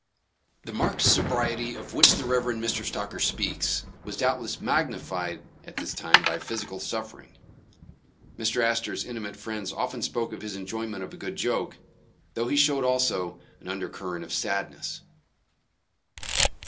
The marked sobriety of which the Rev. Mr. Stocker speaks, was doubtless magnified at this time by physical suffering. Mr. Astor 's intimate friends often spoke of his enjoyment of a good joke, though he showed also an undercurrent of sadness.